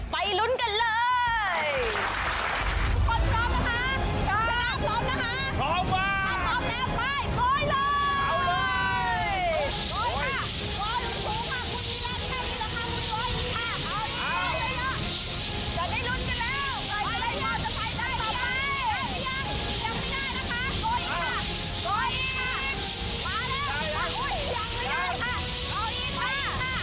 ไปลุ้นกันเลย